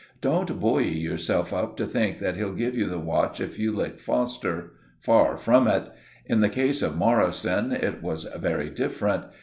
"Don't buoy yourself up to think that he'll give you the watch if you lick Foster. Far from it. In the case of Morrison it was very different.